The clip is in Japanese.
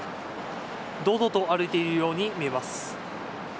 堂々と歩いているように見えます。